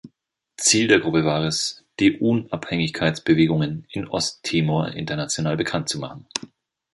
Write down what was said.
Ziel der Gruppe war es, die Unabhängigkeitsbewegung in Osttimor international bekannt zu machen.